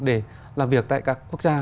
để làm việc tại các quốc gia